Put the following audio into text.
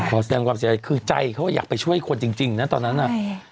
แสดงความเสียใจคือใจเขาอยากไปช่วยคนจริงนะตอนนั้นน่ะ